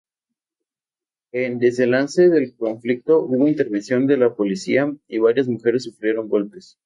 En desenlace del conflicto hubo intervención de la policía, y varias mujeres sufrieron golpes.